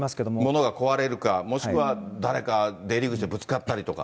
物が壊れるか、もしくは誰か出入り口でぶつかったりとか。